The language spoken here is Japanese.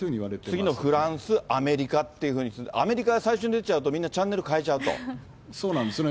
次のフランス、アメリカっていうふうに、アメリカが最初に出ちゃうと、そうなんですよね、